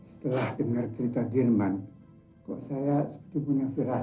setelah dengar cerita jerman kok saya seperti punya firasat pak